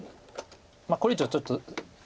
これ以上ちょっと。